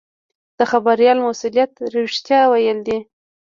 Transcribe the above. د خبریال مسوولیت رښتیا ویل دي.